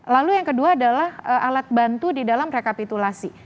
lalu yang kedua adalah alat bantu di dalam rekapitulasi